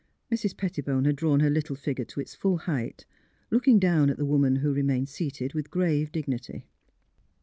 Mrs. Pettibone had drawn her little figure to its full height, looking down at the woman, who remained seated, with grave dignity.